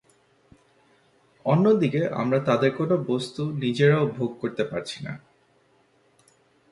অন্যদিকে আমরা তাদের কোন বস্তু নিজেরাও ভোগ করতে পারছি না।